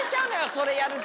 それやると。